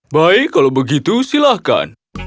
baik kalau begitu silahkan